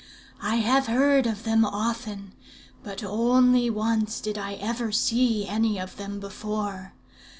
I have heard of them often, but only once did I ever see any of them before.